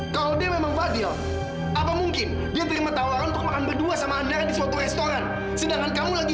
sampai jumpa di video selanjutnya